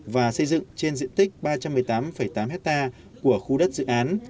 và xây dựng trên diện tích ba trăm một mươi tám năm triệu đô la mỹ